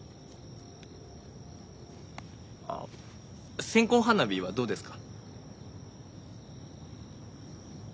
あっ線香花火はどうですか。